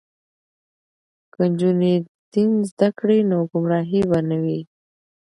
که نجونې دین زده کړي نو ګمراهي به نه وي.